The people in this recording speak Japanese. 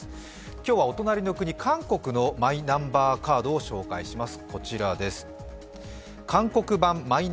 今日はお隣の国、韓国のマイナンバーカードを御紹介します。